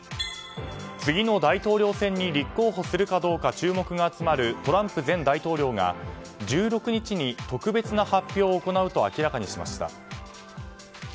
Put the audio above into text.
次の大統領選に立候補するかどうか注目が集まるトランプ前大統領が１６日に特別な発表を行うと明らかにしました。